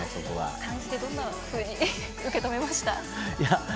感じてどんなふうに受け止めましたか。